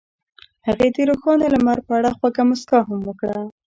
هغې د روښانه لمر په اړه خوږه موسکا هم وکړه.